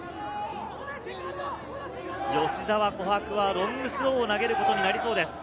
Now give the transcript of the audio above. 吉澤胡珀はロングスローを投げることになりそうです。